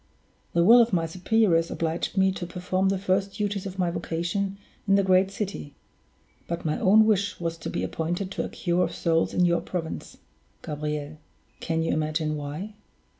The will of my superiors obliged me to perform the first duties of my vocation in the great city; but my own wish was to be appointed to a cure of souls in your province, Gabriel. Can you imagine why?"